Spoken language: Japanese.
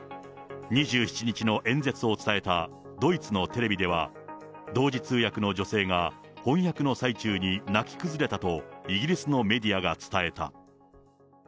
２７日の演説を伝えたドイツのテレビでは、同時通訳の女性が翻訳の最中に泣き崩れたと、イギリスのメディアが伝えた。